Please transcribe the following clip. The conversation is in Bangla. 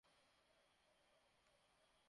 তুমি জানি কী বলো?